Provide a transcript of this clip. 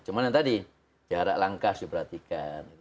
cuma yang tadi jarak langkas diperhatikan